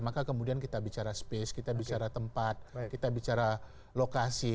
maka kemudian kita bicara space kita bicara tempat kita bicara lokasi